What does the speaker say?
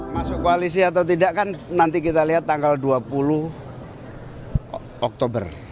masuk koalisi atau tidak kan nanti kita lihat tanggal dua puluh oktober